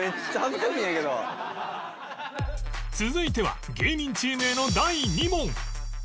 続いては芸人チームへの第２問